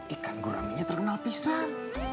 ikan guraminya terkenal pisang